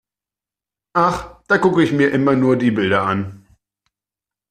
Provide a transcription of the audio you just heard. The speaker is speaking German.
Ach, da gucke ich mir immer nur die Bilder an.